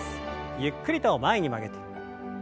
ゆっくりと前に曲げて。